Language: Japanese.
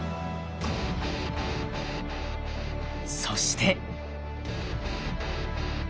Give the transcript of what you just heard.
そして。